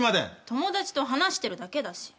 友達と話してるだけだし。